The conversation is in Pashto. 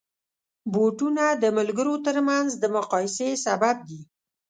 بوټونه د ملګرو ترمنځ د مقایسې سبب دي.